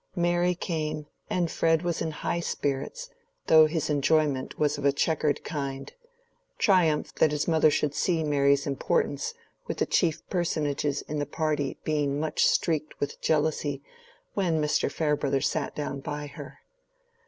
Mary came, and Fred was in high spirits, though his enjoyment was of a checkered kind—triumph that his mother should see Mary's importance with the chief personages in the party being much streaked with jealousy when Mr. Farebrother sat down by her.